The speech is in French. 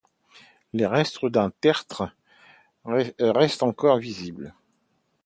Les restes d'un tertre restent encore visibles.